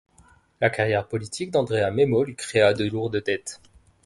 La carrière politique d'Andrea Memmo lui créa de lourdes dettes.